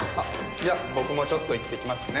じゃあ僕もちょっと行ってきますね。